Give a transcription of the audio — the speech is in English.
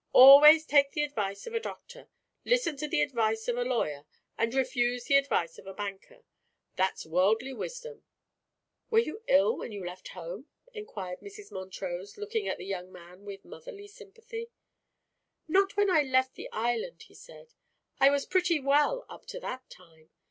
"Always take the advice of a doctor, listen to the advice of a lawyer, and refuse the advise of a banker. That's worldly wisdom." "Were you ill when you left your home?" inquired Mrs. Montrose, looking at the young man with motherly sympathy. "Not when I left the island," he said. "I was pretty well up to that time.